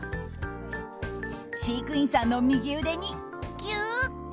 飼育員さんの右腕にギュッ！